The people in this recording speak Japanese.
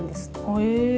へえ。